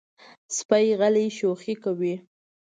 سپي غلی شوخي کوي.